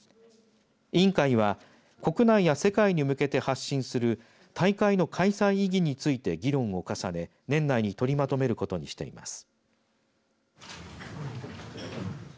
委員会は国内や世界に向けて発信する大会の開催意義について議論を重ね年内に取りまとめることにしています。